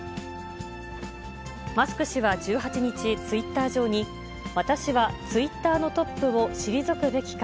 マスク氏は１８日、ツイッター上に、私はツイッターのトップを退くべきか？